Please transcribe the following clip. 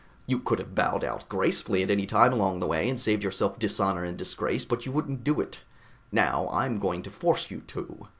You could have bowed out gracefully at any time along the way and saved yourself dishonor and disgrace, but you wouldn't do it. Now, I'm going to force you to.